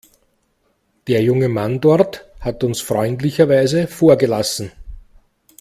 Der junge Mann dort hat uns freundlicherweise vorgelassen.